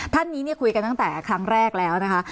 ท่านนี้เนี่ยคุยกันตั้งแต่ครั้งแรกแล้วนะคะ